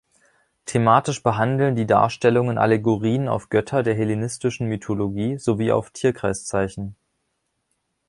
Thematisch behandeln die Darstellungen Allegorien auf Götter der hellenistischen Mythologie sowie auf Tierkreiszeichen.